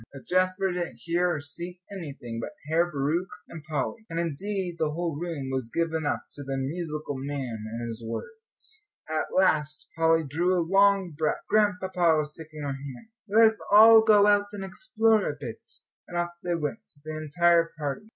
But Jasper didn't hear or see anything but Herr Bauricke and Polly; and, indeed, the whole room was given up to the "musical man" and his words. At last Polly drew a long breath; Grandpapa was taking her hand. "Let us all go out and explore a bit," and off they went, the entire party.